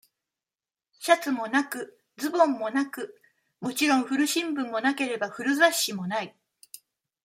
シャツもなく、ズボンもなく、もちろん古新聞もなければ、古雑誌もない。